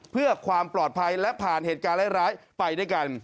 เพื่อความปลอดภัยและผ่านเหตุการณ์ร้ายไปด้วยกัน